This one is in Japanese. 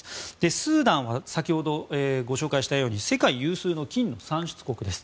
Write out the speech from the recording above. スーダンは先ほど、ご紹介したように世界有数の金の産出国です。